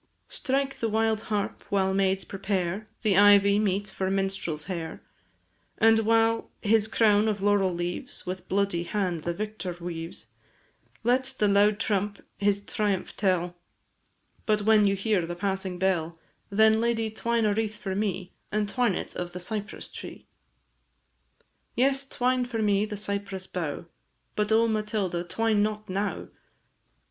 Strike the wild harp while maids prepare The ivy meet for minstrel's hair; And, while his crown of laurel leaves, With bloody hand the victor weaves, Let the loud trump his triumph tell; But when you hear the passing bell, Then, lady, twine a wreath for me, And twine it of the cypress tree! Yes, twine for me the cypress bough; But, O Matilda, twine not now!